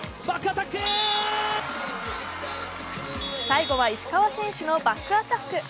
最後は石川選手のバックアタック。